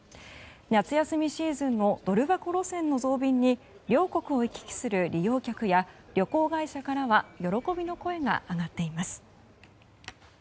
夏休みシーズンのドル箱路線の増便に両国を行き来する利用客や旅行会社からは喜びの声が上がっています。